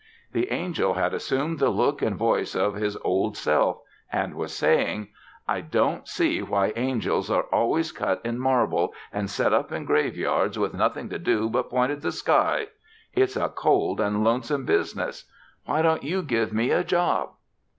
The angel had assumed the look and voice of his Old Self and was saying: "I don't see why angels are always cut in marble an' set up in graveyards with nothing to do but point at the sky. It's a cold an' lonesome business. Why don't you give me a job?"